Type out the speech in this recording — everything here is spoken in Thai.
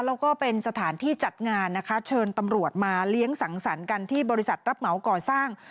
แล้วก็เป็นสถานที่จัดงานนะคะเชิญตำรวจมาเลี้ยงสังสรรค์กันที่บริษัทรับเหมาก่อสร้าง